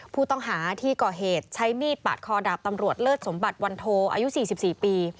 ผู้ต้องหาที่ก่อเหตุใช้มีดปาดคอดาบตำรวจเลิศสมบัติวันโทอายุ๔๔ปี